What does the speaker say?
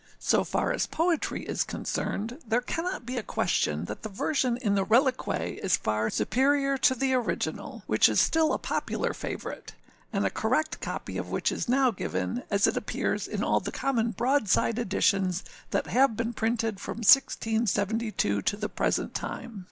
So far as poetry is concerned, there cannot be a question that the version in the Reliques is far superior to the original, which is still a popular favourite, and a correct copy of which is now given, as it appears in all the common broadside editions that have been printed from 1672 to the present time.